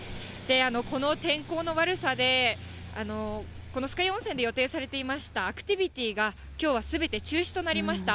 この天候の悪さで、この酸ヶ湯温泉で予定されていました、アクティビティがきょうはすべて中止となりました。